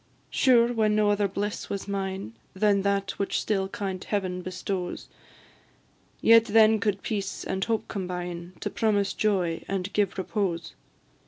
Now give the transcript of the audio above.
Sure, when no other bliss was mine Than that which still kind Heaven bestows, Yet then could peace and hope combine To promise joy and give repose.